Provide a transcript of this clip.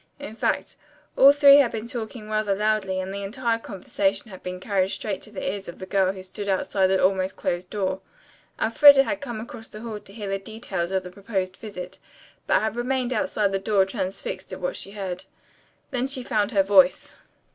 In fact, all three had been talking rather loudly, and the entire conversation had been carried straight to the ears of the girl who stood outside the almost closed door. Elfreda had come across the hall to hear the details of the proposed visit, but had remained outside the door transfixed at what she heard. Then she found her voice.